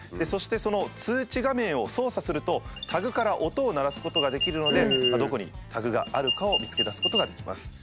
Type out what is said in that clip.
そしてその通知画面を操作するとタグから音を鳴らすことができるので今どこにタグがあるかを見つけ出すことができます。